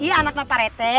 iya anak anak parete